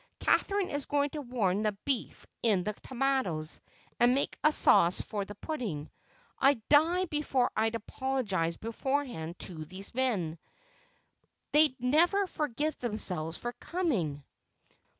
Catherine is going to warm the beef in the tomatoes, and make a sauce for the pudding. I'd die before I'd apologize beforehand to those men; they'd never forgive themselves for coming."